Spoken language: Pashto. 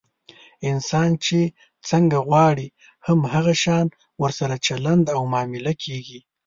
انسان چې څنګه غواړي، هم هغه شان ورسره چلند او معامله کېږي.